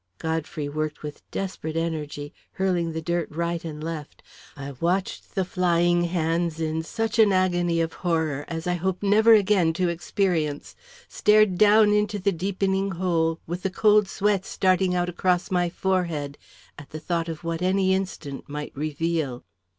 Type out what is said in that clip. Godfrey worked with desperate energy, hurling the dirt right and left. I watched the flying hands in such an agony of horror as I hope never again to experience; stared down into the deepening hole, with the cold sweat starting out across my forehead at the thought of what any instant might reveal.